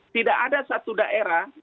tidak ada satu daerah